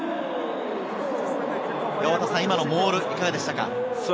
今のモール、いかがでしたか？